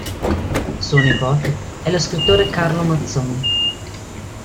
Suo nipote è lo scrittore Carlo Mazzoni.